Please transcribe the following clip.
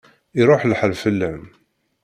Iṛuḥ lḥal fell-am.